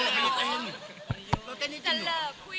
จะเลิกคุยทั้งอำเภอ